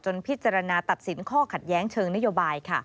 พิจารณาตัดสินข้อขัดแย้งเชิงนโยบาย